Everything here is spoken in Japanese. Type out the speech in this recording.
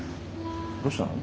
どうしたの？